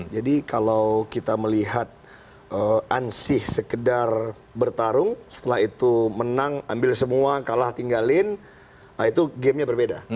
kalau kita melihat ansih sekedar bertarung setelah itu menang ambil semua kalah tinggalin itu gamenya berbeda